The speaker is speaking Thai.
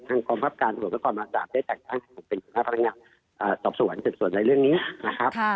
เป็นผู้ประกาศที่ตัดสบส่วนในเรื่องนี้นะครับ